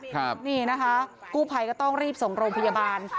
ครับนี่นะคะกู้ภัยก็ต้องรีบส่งโรงพยาบาล